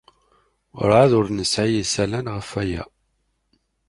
Werɛad ur nesɛi isalan ɣef waya.